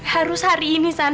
harus hari ini san